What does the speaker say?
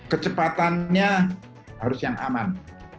kecepatannya harus yang aman